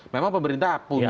memang pemerintah punya